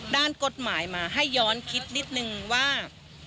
ด้านกฎหมายมาให้ย้อนคิดนิดนึงว่า